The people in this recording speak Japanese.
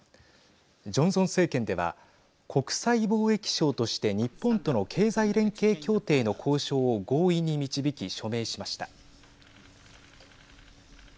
ジョンソン政権では国際貿易相として日本との経済連携協定の交渉を合意に導き署名しました。